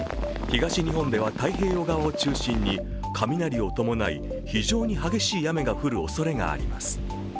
東日本では太平洋側を中心に雷を伴い非常に激しい雨が降るおそれがあります。